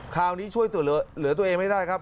คราวนี้ช่วยเหลือตัวเองไม่ได้ครับ